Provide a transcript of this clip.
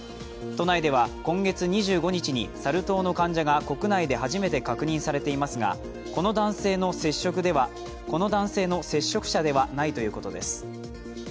都内では今月２５日にサル痘の患者が国内で初めて確認されていますが、この男性の接触者ではないということです。